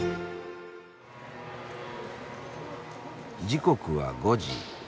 時刻は５時。